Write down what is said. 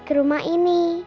ke rumah ini